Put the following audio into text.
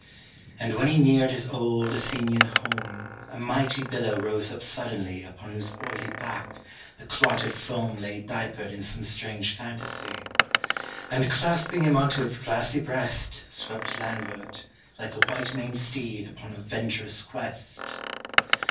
And when he neared his old Athenian home, A mighty billow rose up suddenly Upon whose oily back the clotted foam Lay diapered in some strange fantasy, And clasping him unto its glassy breast, Swept landward, like a white maned steed upon a venturous quest